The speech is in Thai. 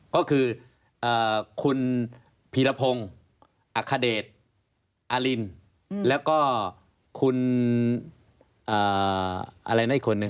ก็คือคุณพีรพงศ์อัคเดชอารินแล้วก็คุณอะไรนะอีกคนนึง